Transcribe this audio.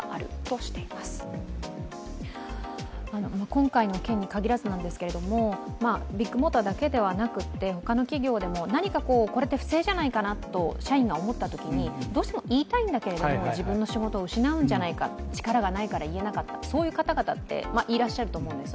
今回の件に限らず何ですけれども、ビッグモーターだけではなくてほかの企業でも何かこれ不正じゃないかなと社員が思ったときにどうしても言いたいんだけれども自分の仕事を失うんじゃないか、力がないから言えなかった、そういう方々っていらっしゃると思うんです。